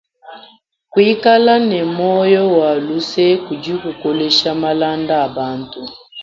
Kuikala ne moyi wa lusa kudi kukolesha malanda a bantu.